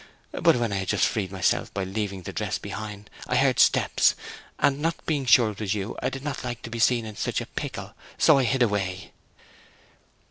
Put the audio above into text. But when I had just freed myself by leaving the dress behind, I heard steps, and not being sure it was you, I did not like to be seen in such a pickle, so I hid away."